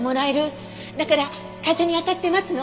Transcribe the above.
だから風に当たって待つの。